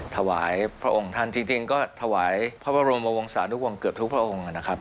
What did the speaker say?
ถวายพระองค์ท่านจริงก็ถวายพระบรมวงศานุวงศ์เกือบทุกพระองค์นะครับ